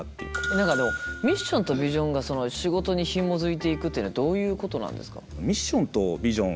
何かでもミッションとビジョンが仕事にひもづいていくというのはどういうことなんですか？